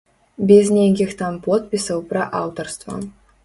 Без нейкіх там подпісаў пра аўтарства.